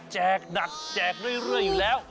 หนักแจกเรื่อยอยู่แล้ว